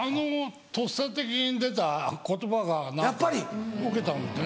とっさ的に出た言葉が何かウケたみたい。